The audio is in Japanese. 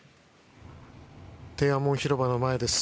天安門広場の前です。